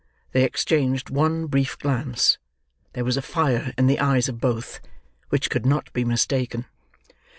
They exchanged one brief glance; there was a fire in the eyes of both, which could not be mistaken.